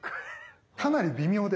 かなり微妙です。